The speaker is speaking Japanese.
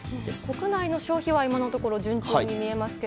国内の消費は今のところ順調に見えますが